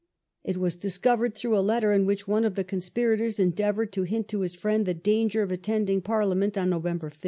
It was discovered through a letter in which one of the con spirators endeavoured to hint to his friend the danger of attending Parliament on November 5.